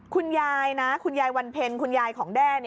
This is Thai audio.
คุณยายนะคุณยายวันเพ็ญคุณยายของแด้